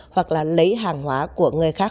hoặc là lấy hàng hóa của người khác